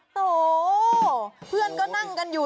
โตเพื่อนก็นั่งกันอยู่